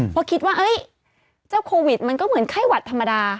เพราะคิดว่าเจ้าโควิดมันก็เหมือนไข้หวัดธรรมดา